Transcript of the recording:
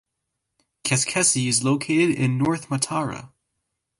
Keskese is located north of Matara.